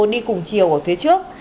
đi cùng chiều ở phía trước